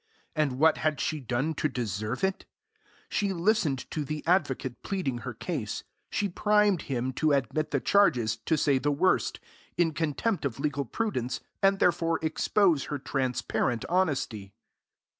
And what had she done to deserve it? She listened to the advocate pleading her case; she primed him to admit the charges, to say the worst, in contempt of legal prudence, and thereby expose her transparent honesty.